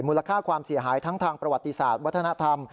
ค่าความเสียหายทั้งทางประวัติศาสตร์วัฒนธรรม